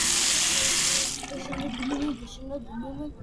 დაშვებისას გარდაიცვალა აგრეთვე თეიმურაზ კუხიანიძე და ჯუმბერ მეძმარიაშვილი.